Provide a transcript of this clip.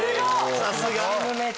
さすが！